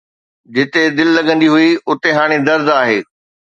جتي دل لڳندي هئي، اتي هاڻي درد آهي